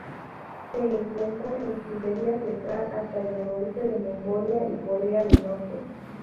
Se encuentra en Siberia central hasta el noroeste de Mongolia y Corea del Norte.